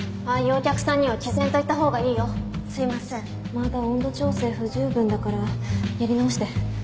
まだ温度調整不十分だからやり直して